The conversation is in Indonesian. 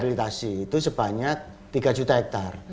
itu sebanyak tiga juta hektar